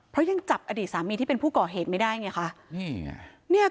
เพราะยังจับอดีตสามีที่เป็นผู้ก่อเหตุไม่ได้ไงค่ะ